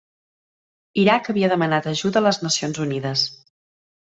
Iraq havia demanat ajuda a les Nacions Unides.